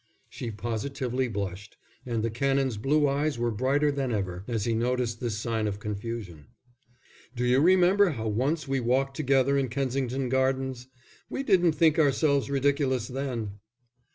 She positively blushed, and the Canon's blue eyes were brighter than ever, as he noticed this sign of confusion. "Do you remember how once we walked together in Kensington Gardens? We didn't think ourselves ridiculous then."